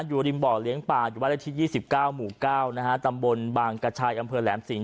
อยู่ริมเบาะเลี้ยงปลาอยู่วัยละทิตยี่สิบเก้าหมู่เก้านะฮะตำบลบางกระชายอำเภอแหลมสิงห์